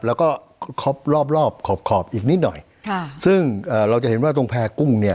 แล้วก็ครบรอบรอบขอบขอบอีกนิดหน่อยค่ะซึ่งเอ่อเราจะเห็นว่าตรงแพร่กุ้งเนี่ย